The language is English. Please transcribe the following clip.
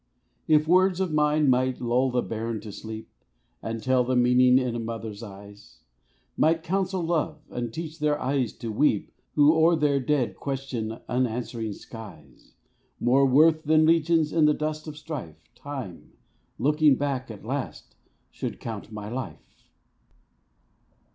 If words of mine might lull the bairn to sleep, And tell the meaning in a mother's eyes; Might counsel love, and teach their eyes to weep Who, o'er their dead, question unanswering skies, More worth than legions in the dust of strife, Time, looking back at last, should count my life.